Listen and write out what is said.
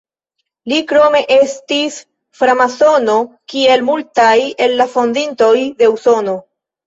Li krome estis framasono, kiel multaj el la fondintoj de Usono.